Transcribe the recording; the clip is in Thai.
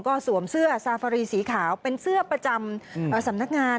ก็สวมเสื้อซาฟารีสีขาวเป็นเสื้อประจำสำนักงาน